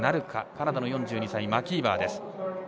カナダの４２歳、マキーバーです。